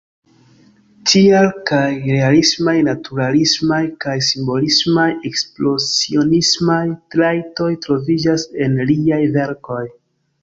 Tial kaj realismaj-naturalismaj kaj simbolismaj-ekspresionismaj trajtoj troviĝas en liaj verkoj.